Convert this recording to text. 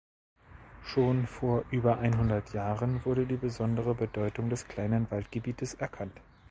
Schon vor über einhundert Jahren wurde die besondere Bedeutung des kleinen Waldgebietes erkannt.